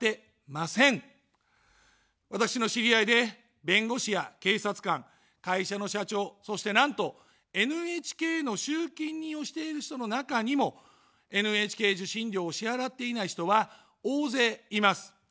私の知り合いで弁護士や警察官、会社の社長、そして、なんとＮＨＫの集金人をしている人の中にもＮＨＫ受信料を支払っていない人は大勢います。